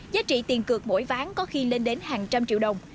giá trị tiền cược mỗi ván có khi lên đến hàng trăm triệu đồng